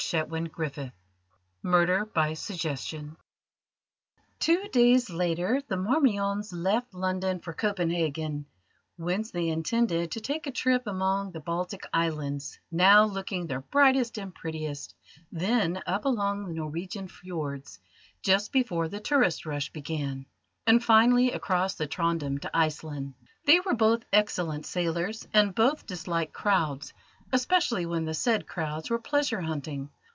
CHAPTER XVIII MURDER BY SUGGESTION Two days later the Marmions left London for Copenhagen, whence they intended to take a trip among the Baltic Islands, now looking their brightest and prettiest, then up along the Norwegian Fiords, just before the tourist rush began, and finally across from Trondjem to Iceland. They were both excellent sailors, and both disliked crowds, especially when the said crowds were pleasure hunting.